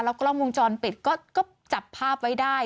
แล้วก็ล่องวงจรปิดก็จับภาพไว้ได้